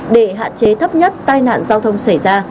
để hạn chế thấp nhất tai nạn giao thông xảy ra